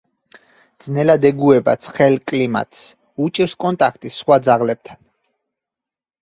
ძნელად ეგუება ცხელ კლიმატს, უჭირს კონტაქტი სხვა ძაღლებთან.